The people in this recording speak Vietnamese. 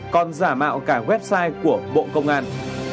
còn giả mạo cả website của bộ công an